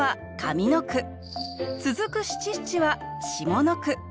続く七七は下の句。